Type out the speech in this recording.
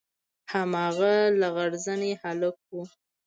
هماغه لغړ زنى هلک و.